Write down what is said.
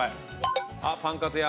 あっパンカツ屋。